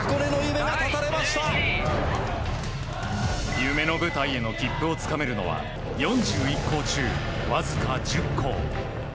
夢の舞台への切符をつかめるのは４１校中わずか１０校。